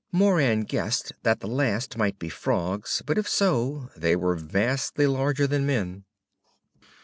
Moran guessed that the last might be frogs, but if so they were vastly larger than men.